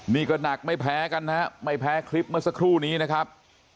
นี่ก็หนักไม่แพ้กันนะฮะไม่แพ้คลิปเมื่อสักครู่นี้นะครับ